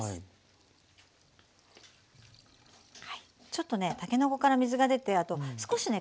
ちょっとねたけのこから水が出てあと少しね